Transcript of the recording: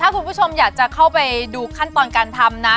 คุณผู้ชมอยากจะเข้าไปดูขั้นตอนการทำนะ